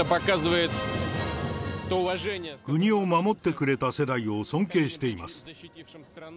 国を守ってくれた世代を尊敬しています。